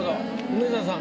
梅沢さん